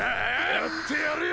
⁉やってやるよ！